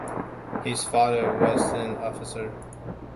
His father was an officer.